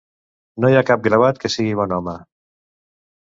No hi ha cap gravat que sigui bon home.